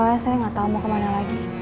soalnya saya ga tau mau kemana lagi